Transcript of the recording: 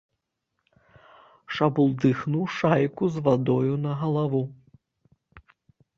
Шабулдыхнуў шайку з вадою на галаву.